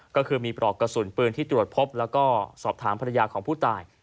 ก็คือมีปลอกกระสุนปืนที่ตรวจพบแล้วก็สอบถามภรรยาของผู้ตาย